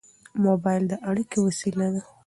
موبایل د اړیکې وسیله ده.